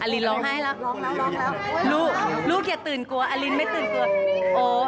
อลินร้องให้ละลูกอย่าตื่นกลัวอลินไม่ตื่นกลัวโอ้